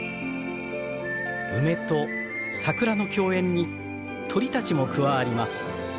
梅と桜の共演に鳥たちも加わります。